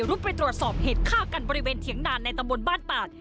รุ่นไปตรวจสอบเหตุฆ่ากันบริเวณเถียงนานในตะมนต์บ้านปาก